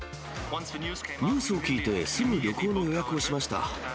ニュースを聞いて、すぐ旅行の予約をしました。